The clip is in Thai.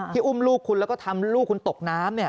อุ้มลูกคุณแล้วก็ทำลูกคุณตกน้ำ